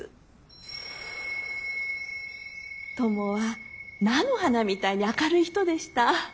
トモは菜の花みたいに明るい人でした。